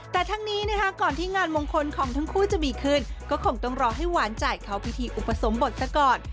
แต่ทั้งนี้นะคะก่อนที่งานมงคลของทั้งคู่จะมีขึ้นก็คงต้องรอให้หวานใจเข้าพิธีอุปสมบทซะก่อน